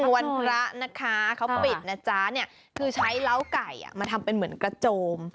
วันพระนะคะเขาปิดนะจ๊ะเนี่ยคือใช้เล้าไก่มาทำเป็นเหมือนกระโจม